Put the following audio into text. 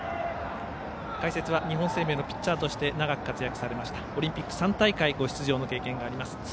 解説は日本生命のピッチャーとして長く活躍されましたオリンピック３大会ご出場の経験があります